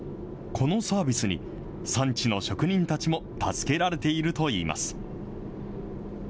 このサービスに、産地の職人たちも助けられているといいます。